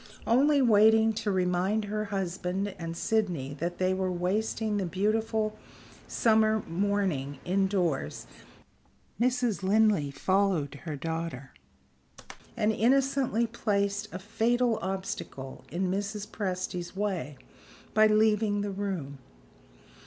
Only waiting to remind her husband and Sydney that they were wasting the beautiful summer morning indoors, Mrs. Linley followed her daughter and innocently placed a fatal obstacle in Mrs. Presty's way by leaving the room.